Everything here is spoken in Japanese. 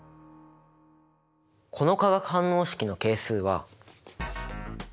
この化学反応式の係数は。